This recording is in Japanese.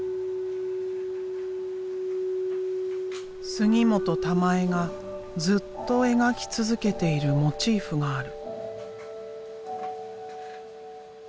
杉本たまえがずっと描き続けているモチーフがある。